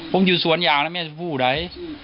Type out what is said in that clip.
ผมอยู่สวนยางนะแม่ชมพู่ไหน